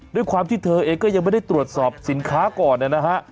ด้วยความที่เธอเองก็ยังไม่ได้ตรวจสอบสินค้าก่อนนะฮะ